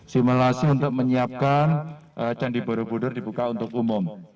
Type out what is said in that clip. simulasi untuk menyiapkan candi borobudur dibuka untuk umum